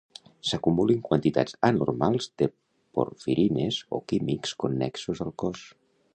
S'acumulin quantitats anormals de porfirines o químics connexos al cos.